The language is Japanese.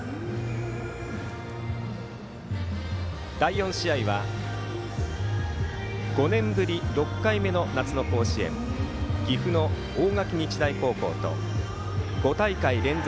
第４試合は５年ぶり６回目の夏の甲子園岐阜の大垣日大高校と５大会連続